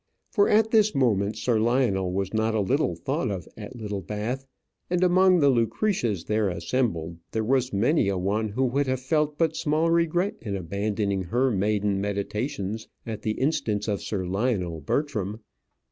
For at this moment Sir Lionel was not a little thought of at Littlebath, and among the Lucretias there assembled, there was many a one who would have felt but small regret in abandoning her maiden meditations at the instance of Sir Lionel Bertram.